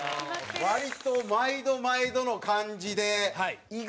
割と毎度毎度の感じで。